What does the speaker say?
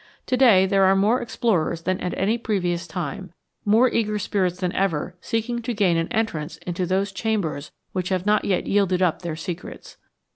To day there are more explorers than at any previous time, more eager spirits than ever seeking to gain an entrance into those chambers which have not yet yielded up their secrets.